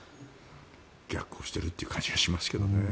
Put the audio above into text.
逆行している感じがしますけどね。